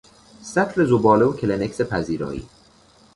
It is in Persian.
سطل زباله و کلینکس پذیرایی